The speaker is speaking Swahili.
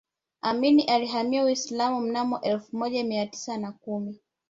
amini alihamia Uislamu mnamo elfu moja mia tisa na kumi